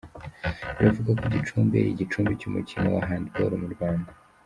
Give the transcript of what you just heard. Baravuga ko Gicumbi ari igicumbi cy’umukino wa hand ball mu Rwanda.